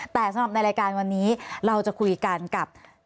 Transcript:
แต่สำหรับในรายการวันนี้เราจะคุยกันกับ